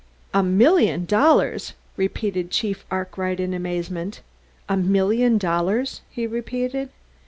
"A million dollars!" repeated Chief Arkwright in amazement. "A million dollars!" he repeated.